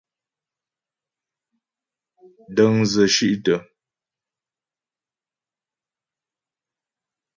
Dəŋdzə shí'tə.